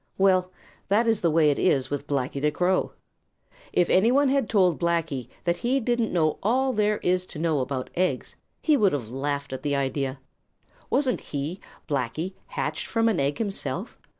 Well, that is the way it is with Blacky the Crow. If any one had told Blacky that he didn't know all there is to know about eggs, he would have laughed at the idea. Wasn't he, Blacky, hatched from an egg himself?